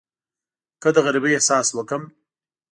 که د غریبۍ احساس وکړم.